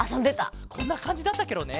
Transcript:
こんなかんじだったケロね。